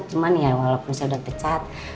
cuman ya walaupun saya udah pecat